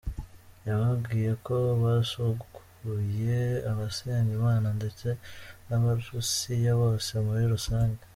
Yababwiye ko basuguye abasenga imana ndetse n’abarusiya bose muri rusange.